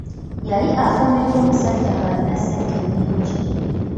Yali afumbiddwa omusajja ng'alina ssente nyingi.